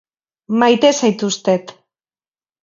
Maite zaituztet.